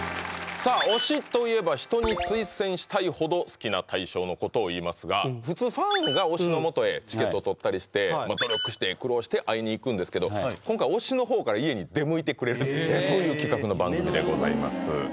さあ「推し」といえば人に推薦したいほど好きな対象のことを言いますが普通ファンが推しのもとへチケットを取ったりして努力して苦労して会いに行くんですけど今回推しのほうから家に出向いてくれるというそういう企画の番組でございます